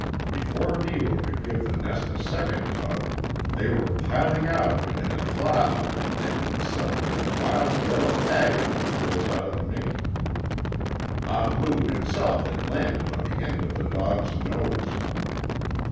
Before Neewa could give the nest a second tug they were piling out of it in a cloud and suddenly a wild yell of agony rose out of Miki. Ahmoo himself had landed on the end of the dog's nose.